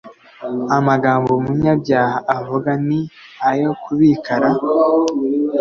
Amagambo umunyabyaha avuga ni ayo kubik ra